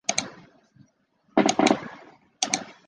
索伊恩是德国巴伐利亚州的一个市镇。